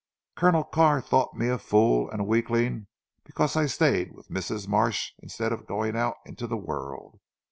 Colonel Carr thought me a fool and a weakling because I stayed with Mrs. Marsh instead of going out into the world.